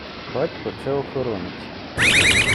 Батько – це охоронець.